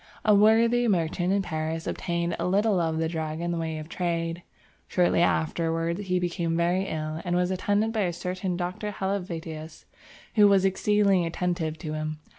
A worthy merchant in Paris obtained a little of the drug in the way of trade. Shortly afterwards he became very ill and was attended by a certain Dr. Helvetius, who was exceedingly attentive to him.